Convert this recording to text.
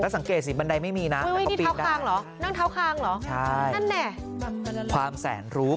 สังเกตสิบันไดไม่มีนะ